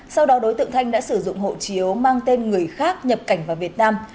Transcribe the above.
sau đó đối tượng thanh đã sử dụng hộ chiếu mang tên người khác nhập cảnh vào việt nam